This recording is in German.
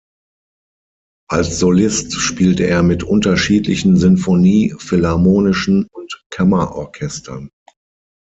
Als Solist spielte er mit unterschiedlichen Sinfonie-, philharmonischen und Kammer-Orchestern.